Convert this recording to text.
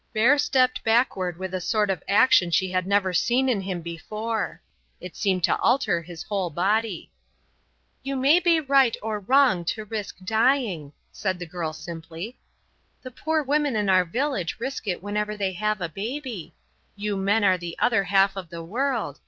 Bert stepped backward with a sort of action she had never seen in him before. It seemed to alter his whole body. "You may be right or wrong to risk dying," said the girl, simply; "the poor women in our village risk it whenever they have a baby. You men are the other half of the world.